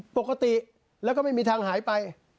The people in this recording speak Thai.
ปกติแล้วก็ไม่มีทางหายไป